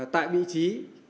tại vị trí